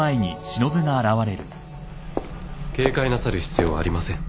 警戒なさる必要はありません。